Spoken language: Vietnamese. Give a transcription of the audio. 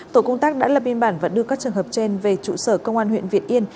tổ công tác đã lập biên bản và đưa các trường hợp trên về trụ sở công an huyện việt yên